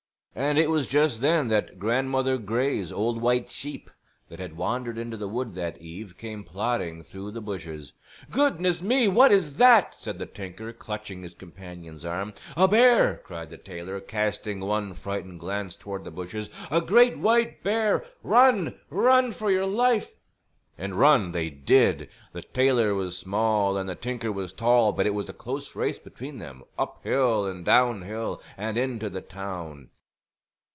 And it was just then that Grandmother Grey's old white sheep that had wandered into the wood that eve came plodding through the bushes. "Goodness me! What is that?" said the tinker clutching his companion's arm. "A bear!" cried the tailor casting one frightened glance toward the bushes. "A great white bear! Run, run for your life." And run they did! The tailor was small and the tinker was tall, but it was a close race between them, up hill and down hill, and into the town.